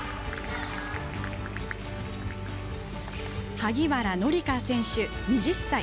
萩原紀佳選手、２０歳。